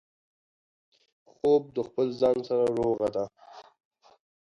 خوب د خپل ځان سره روغه ده